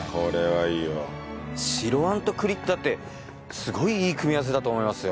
白餡と栗ってだってすごいいい組み合わせだと思いますよ。